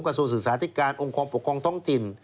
กระทรวงศึกษาธิการองค์กรปกครองท้องถิ่น